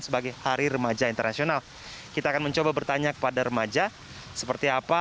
sebagai hari remaja internasional kita akan mencoba bertanya kepada remaja seperti apa